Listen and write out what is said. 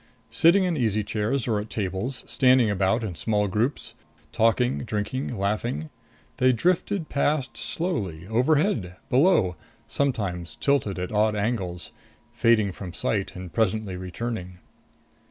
Sitting in easy chairs or at tables, standing about in small groups, talking, drinking, laughing, they drifted past slowly; overhead, below, sometimes tilted at odd angles fading from sight and presently returning.